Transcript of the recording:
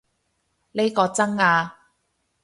呢個真啊